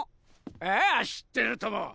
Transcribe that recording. ああ知ってるとも。